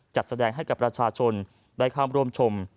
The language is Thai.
จัดแสดงให้กับประชาชนได้ข้ามร่วมชม